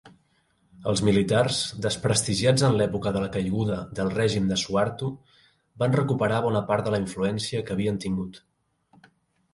Els militars, desprestigiats en l'època de la caiguda del règim de Suharto, van recuperar bona part de la influència que havien tingut.